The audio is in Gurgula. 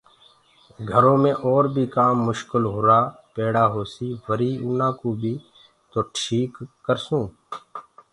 گھرو مي اور بيٚ ڪآم مشڪل هرآ پيڙآ هوسيٚ وريٚ آنآ ڪو بيٚ تو ٽيٽ ڪرسونٚ